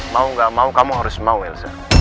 mau gak mau kamu harus mau elza